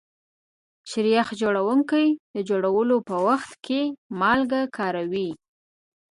شیریخ جوړونکي د جوړولو په وخت کې مالګه کاروي.